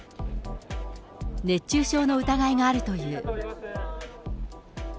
熱中症の疑いがあるという。